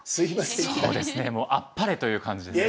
そうですねもうあっぱれ！という感じですね。